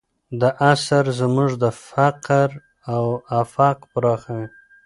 دا اثر زموږ د فکر افق پراخوي.